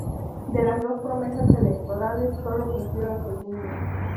De las dos promesas electorales, sólo cumplió la segunda.